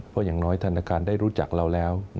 เพราะอย่างน้อยธนาคารได้รู้จักเราแล้ว